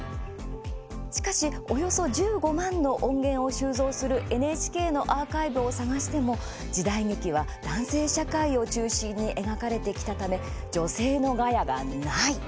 しかしおよそ１５万の音源を収蔵するＮＨＫのアーカイブを探しても時代劇は男性社会を中心に描かれてきたため女性のガヤがない。